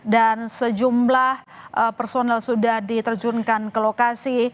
dan sejumlah personel sudah diterjunkan ke lokasi